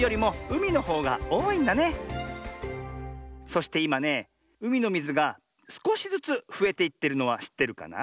そしていまねうみのみずがすこしずつふえていってるのはしってるかな？